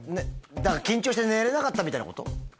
だから緊張して寝れなかったみたいなこと？